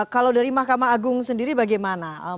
kalau dari mahkamah agung sendiri bagaimana